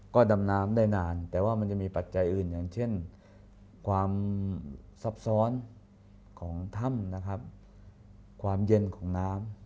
ก็ดำน้ำได้นานแต่ว่ามันจะมีปัจจัยอื่นอย่างเช่นความซับซ้อนของถ้ำนะครับความเย็นของน้ำ